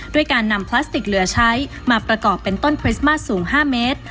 ด้วยการนำพลาสติกเหลือใช้มาประกอบเป็นต้นคริสต์มาสสูง๕เมตร